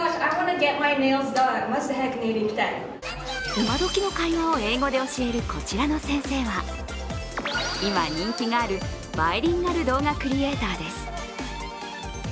今どきの会話を英語で教えるこちらの先生は今人気があるバイリンガル動画クリエーターです。